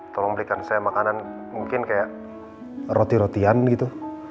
tolong belikan saya makanan mungkin kayak roti rotian gitu